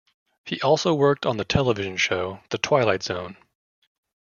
He also worked on the television show "The Twilight Zone".